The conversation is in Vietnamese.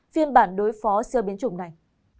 phiên bản đối phó siêu biến chủng này